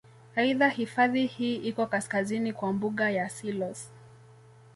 Aidha hifadhi hii iko kaskazini kwa mbuga ya Selous